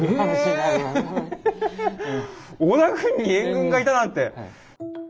織田軍に援軍がいたなんて！